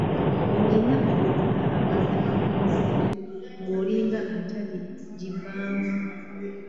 Olina okukola amazima ku nsi ng'olinga ataligivaamu.